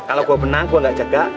kalau gue menang gue gak cegah